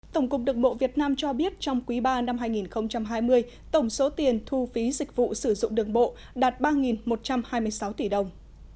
tổng cục đường bộ việt nam cho biết trong quý ba năm hai nghìn hai mươi tổng số tiền thu phí dịch vụ sử dụng đường bộ đạt ba một trăm hai mươi sáu tỷ đồng